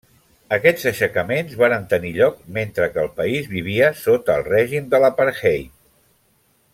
Aquests aixecaments varen tenir lloc mentre que el país vivia sota el règim de l'apartheid.